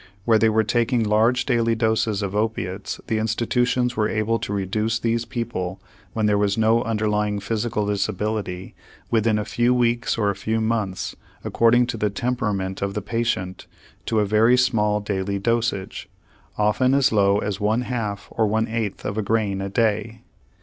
Where they were taking large daily doses of opiates the institutions were able to reduce these people, when there was no underlying physical disability, within a few weeks or a few months, according to the temperament of the patient, to a very small daily dosage, often as low as one half or one eighth of a grain a day.